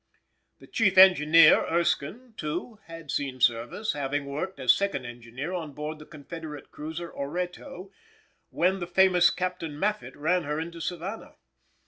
The chief engineer, Erskine, too, had seen service, having worked as second engineer on board the Confederate cruiser Oreto, when the famous Captain Maffitt ran her into Savannah.